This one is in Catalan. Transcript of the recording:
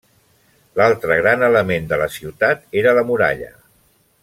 L'altre gran element de la ciutat era la muralla.